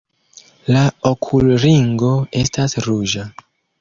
La okulringo estas ruĝa.